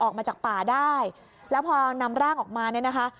ออกมาจากป่าได้แล้วพอนำร่างออกมาเนี่ยนะคะ